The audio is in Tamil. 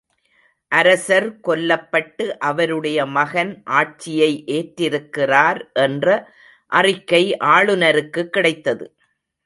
அரசர் கொல்லப்பட்டு அவருடைய மகன் ஆட்சியை ஏற்றிருக்கிறார் என்ற அறிக்கை ஆளுநருக்குக் கிடைத்தது.